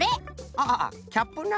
ああキャップな。